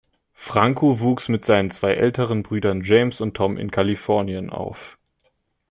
Franco wuchs mit seinen zwei älteren Brüdern James und Tom in Kalifornien auf.